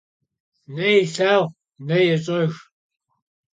Ne yilhağu ne yêş'ejj.